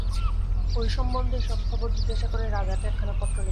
ঐ সম্বন্ধে সব খবর জিজ্ঞাসা করে রাজাকে একখানা পত্র লিখো।